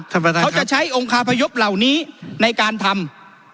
เขาจะใช้องคาพยพเหล่านี้ในการทำ